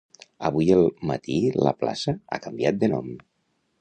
Avui el matí la plaça ha canviat de nom.